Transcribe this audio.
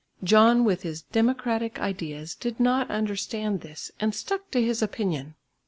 John with his democratic ideas did not understand this and stuck to his opinion.